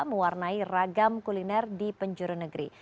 mewarnai ragam kuliner di penjuru negeri